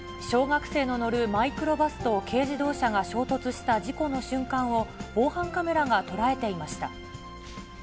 小学生の乗るマイクロバスと軽自動車が衝突した事故の瞬間を、防犯カメラが捉えていました。